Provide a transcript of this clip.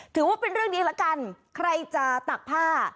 ถือว่าเป็นเรื่องนี้ละกันใครจะตักผ้า